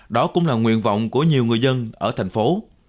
đó cũng là nguyện vọng của nhiều người dân ở thành phố